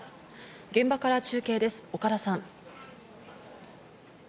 現場から中継です、岡田さん。